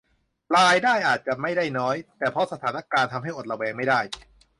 รายได้อาจจะไม่ได้น้อย แต่เพราะสถานการณ์ทำให้อดระแวงไม่ได้